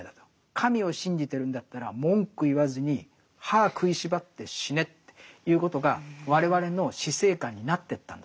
神を信じてるんだったら文句言わずに歯食いしばって死ねっていうことが我々の死生観になってったんだと思うんです。